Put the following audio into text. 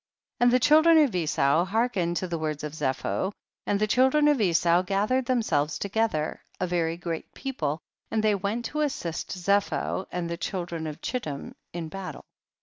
14. And the children of Esau hear kened to the words of Zepho, and the children of Esau gathered themselves together, a very great people, and they went to assist Zepho and the children of Chittim in battle.